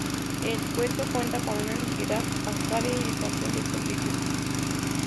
El Cueto cuenta con una entidad bancaria y estación de servicio.